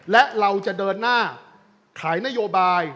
และเราจะเดินหน้าขายนโยบาย